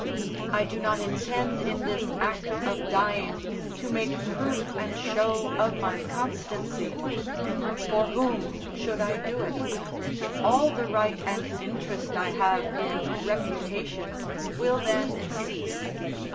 I do not intend in this act of dying to make proof and show of my constancy. For whom should I do it? all the right and interest I have in reputation will then cease.